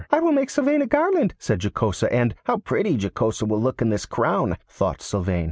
'I will make Sylvain a garland,' said Jocosa, and 'How pretty Jocosa will look in this crown!' thought Sylvain.